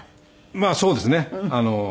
まあそうですね。